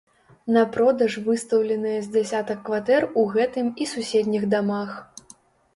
На продаж выстаўленыя з дзясятак кватэр у гэтым і суседніх дамах.